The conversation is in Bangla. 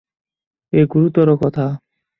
এ গুরুতর কথা।